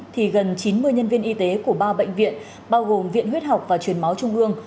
thì gần chín mươi nhân viên y tế của ba bệnh viện bao gồm viện huyết học và truyền máu trung ương